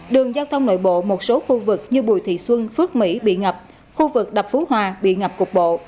đường giao thông nội bộ một số khu vực như bùi thị xuân phước mỹ bị ngập khu vực đập phú hòa bị ngập cục bộ